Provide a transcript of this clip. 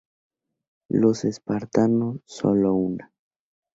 Los espartanos sólo una.